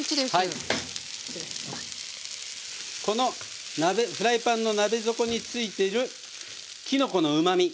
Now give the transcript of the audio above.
このフライパンの鍋底についてるきのこのうまみ